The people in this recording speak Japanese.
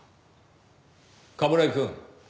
冠城くん。